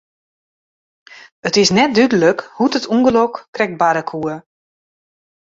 It is net dúdlik hoe't it ûngelok krekt barre koe.